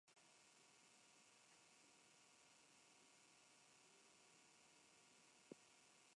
Es considerado el shinobi más poderoso que jamás haya existido en toda la historia.